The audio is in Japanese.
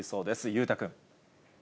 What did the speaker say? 裕太君。